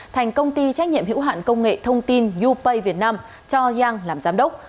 thành công ty trách nhiệm hữu hạn công nghệ thông tin yupay việt nam cho yang làm giám đốc